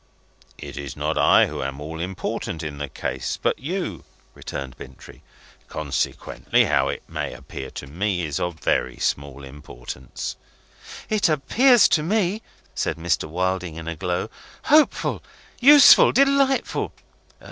"It is not I who am all important in the case, but you," returned Bintrey. "Consequently, how it may appear to me is of very small importance." "It appears to me," said Mr. Wilding, in a glow, "hopeful, useful, delightful!"